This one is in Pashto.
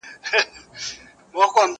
زه اجازه لرم چي لوبه وکړم!!